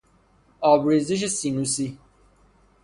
آبریزش سینوسی